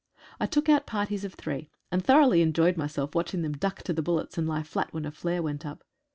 I took out parties of three, and thoroughly enjoyed myself watching them duck to the bullets and lie fiat when a flare went up.